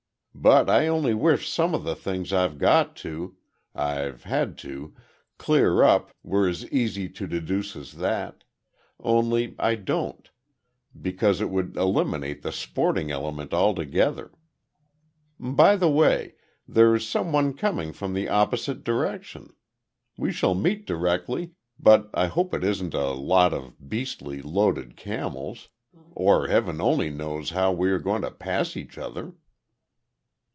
"But I only wish some of the things I've got to I've had to clear up, were as easy to deduce as that only I don't, because it would eliminate the sporting element altogether. By the way, there's some one coming from the opposite direction. We shall meet directly, but I hope it isn't a lot of beastly loaded camels, or Heaven only knows how we are going to pass each other."